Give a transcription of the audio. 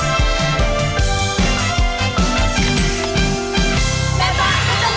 แหม้บ้านประจำบาน